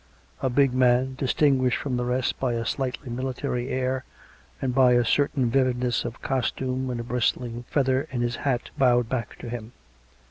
" A big man, distinguished from the rest by a slightly military air, and by a certain vividness of costume and a bristling feather in his hat, bowed back to him.